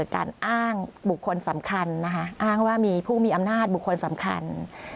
การอ้างบุคคลสำคัญนะคะอ้างว่ามีผู้มีอำนาจบุคคลสำคัญ